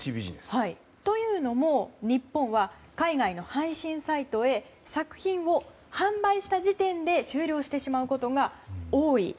というのも日本は海外の配信サイトへ作品を販売した時点で終了することが多い。